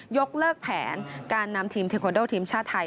ยกเลิกแผนการนำทีมเทคโนโดทีมชาติไทย